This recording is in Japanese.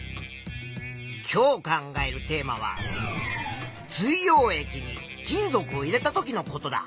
今日考えるテーマは「水よう液に金属を入れたときのこと」だ。